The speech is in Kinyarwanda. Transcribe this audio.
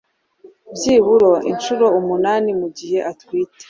byibura inshuro umunani mu gihe atwite